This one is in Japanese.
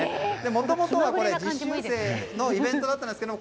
もともとは実習生のイベントだったんですけど